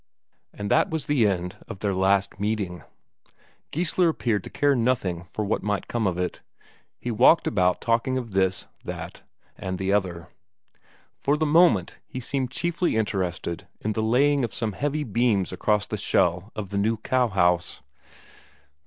And that was the end of their last meeting. Geissler appeared to care nothing for what might come of it. He walked about talking of this, that, and the other; for the moment he seemed chiefly interested in the laying of some heavy beams across the shell of the new cowhouse.